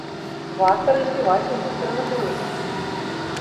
Варта развіваць унутраны турызм.